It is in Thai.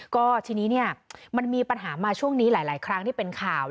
ก็ทีนี้มันมีปัญหามาช่วงนี้หลายครั้งที่เป็นข่าว